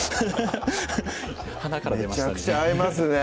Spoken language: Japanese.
鼻から出ましたね